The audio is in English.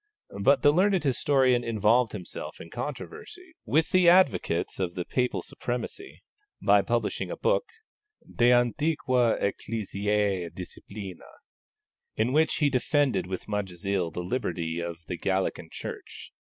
But the learned historian involved himself in controversy with the advocates of Papal supremacy by publishing a book, De Antiqua Ecclesiae disciplina, in which he defended with much zeal the liberty of the Gallican Church.